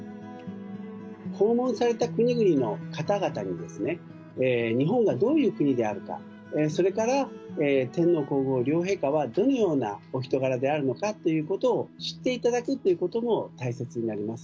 訪問された国々の方々にですね、日本がどういう国であるか、それから天皇皇后両陛下はどのようなお人柄であるのかということを知っていただくということも大切になります。